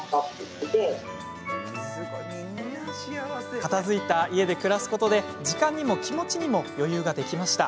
片づいた家で暮らすことで時間にも気持ちにも余裕ができました。